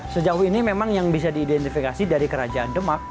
sejauh ini memang yang bisa diidentifikasi dari kerajaan demak